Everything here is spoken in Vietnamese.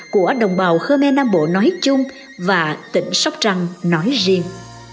của đồng bào khmer nam bộ nói chung và tỉnh sóc trăng nói riêng